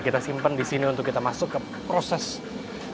kita simpan di sini untuk kita masuk ke proses selanjutnya